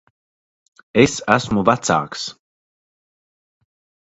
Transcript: Es esmu vecāks.